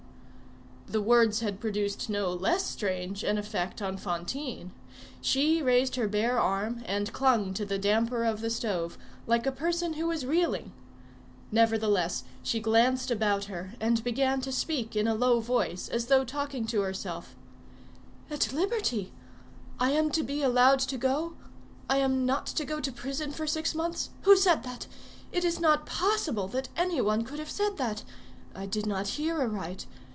The words had produced no less strange an effect on Fantine. She raised her bare arm, and clung to the damper of the stove, like a person who is reeling. Nevertheless, she glanced about her, and began to speak in a low voice, as though talking to herself:— "At liberty! I am to be allowed to go! I am not to go to prison for six months! Who said that? It is not possible that any one could have said that. I did not hear aright.